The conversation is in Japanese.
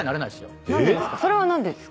それは何でですか？